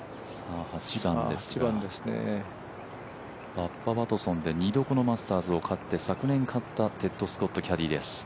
バッバ・ワトソンで２度このマスターズを勝って昨年勝ったテッド・スコット、キャディーです。